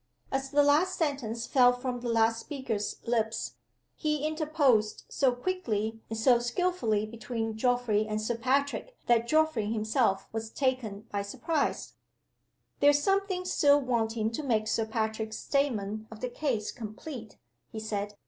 As the last sentence fell from the last speaker's lips, he interposed so quickly and so skillfully between Geoffrey and Sir Patrick, that Geoffrey himself was taken by surprise, "There is something still wanting to make Sir Patrick's statement of the case complete," he said.